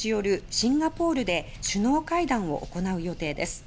シンガポールで首脳会談を行う予定です。